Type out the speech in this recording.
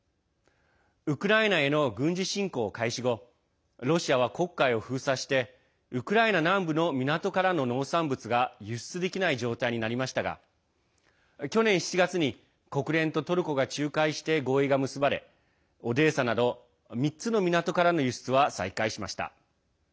ウクライナへの軍事侵攻開始後ロシアは黒海を封鎖してウクライナ南部の港からの農産物が輸出できない状態になりましたが去年７月に、国連とトルコが仲介して合意が結ばれオデーサなど３つの港からの輸出は再開しました。